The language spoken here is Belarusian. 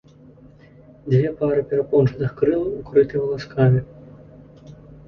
Дзве пары перапончатых крылаў укрыты валаскамі.